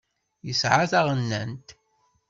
Nesεa taɣennant.